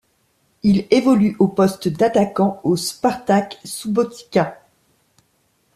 Il évolue au poste d'attaquant au Spartak Subotica.